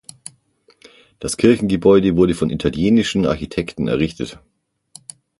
Das Kirchengebäude wurde von italienischen Architekten errichtet.